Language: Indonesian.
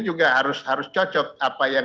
juga harus cocok apa yang